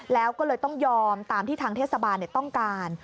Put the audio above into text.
แล้วก็เลยต้องยอมตามที่ทางเทศบาลต้องการ